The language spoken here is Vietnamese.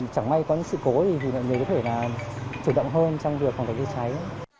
chẳng may có những sự cố thì nhiều người có thể là chủ động hơn trong việc phòng cháy